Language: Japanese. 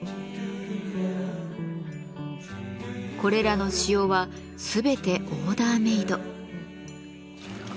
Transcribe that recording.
これらの塩は全てオーダーメイド。